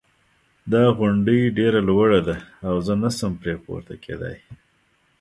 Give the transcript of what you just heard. دا غونډی ډېره لوړه ده او زه نه شم پری پورته کېدای